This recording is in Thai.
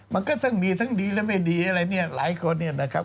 มันก็ทั้งมีทั้งดีและไม่ดีอะไรเนี่ยหลายคนเนี่ยนะครับ